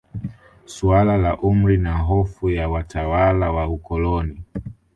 Suala la umri na hofu ya watawala wa ukoloni